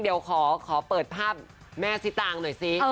เดี๋ยวขอเปิดภาพแม่ซิตางหน่อยสิ